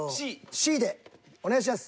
Ｃでお願いします。